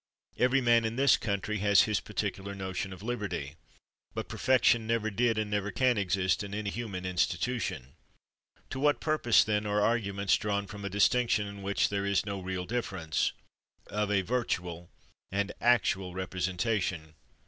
Every man in this country has his particular notion of liberty; but perfection never did and never can exist in any human in stitution. To what purpose, then, are arguments drawn from a distinction, in which there is no real difference, of a virtual and actual repre sentation